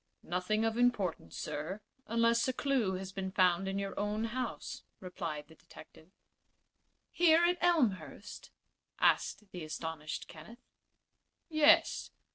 "Nothing of importance, sir, unless a clew has been found in your own house," replied the detective. "Here at Elmhurst?" asked the astonished Kenneth. "Yes.